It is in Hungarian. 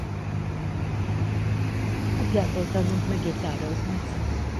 Apjától tanult meg gitározni.